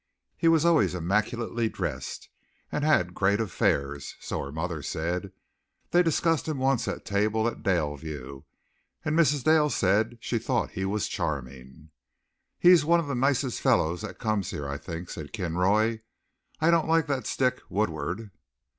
He was always immaculately dressed, and had great affairs, so her mother said. They discussed him once at table at Daleview, and Mrs. Dale said she thought he was charming. "He's one of the nicest fellows that comes here, I think," said Kinroy. "I don't like that stick, Woodward."